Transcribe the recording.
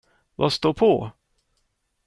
Vad står på?